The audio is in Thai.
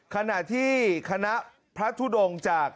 ขณะที่คณะพระทุดงจาก